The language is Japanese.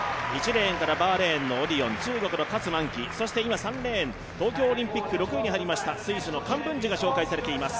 １レーンからバーレーンのオディオン、中国の葛曼棋、そして３レーン、東京オリンピック６位に入りましたスイスのカンブンジが紹介されています。